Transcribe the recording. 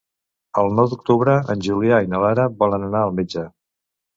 El nou d'octubre en Julià i na Lara volen anar al metge.